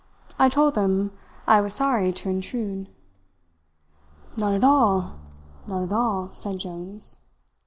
I told them I was sorry to intrude. "'Not at all! Not at all,' said Jones.